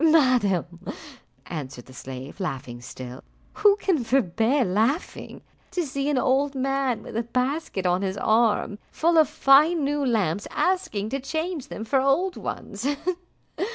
"Madam," answered the slave, laughing still, "who can forbear laughing, to see an old man with a basket on his arm, full of fine new lamps, asking to change them for old ones?